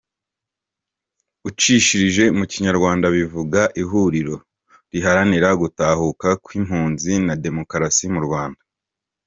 Ucishirije mu Kinyarwanda bivuga« Ihuriro riharanira gutahuka kw’impunzi na demokarasi mu Rwanda.